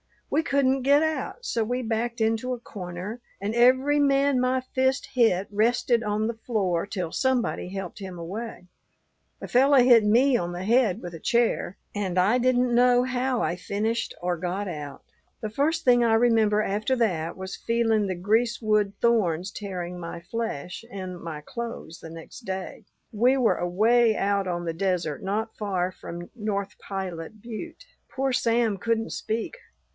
We couldn't get out, so we backed into a corner; and every man my fist hit rested on the floor till somebody helped him away. A fellow hit me on the head with a chair and I didn't know how I finished or got out. "The first thing I remember after that was feeling the greasewood thorns tearing my flesh and my clothes next day. We were away out on the desert not far from North Pilot butte. Poor Sam couldn't speak.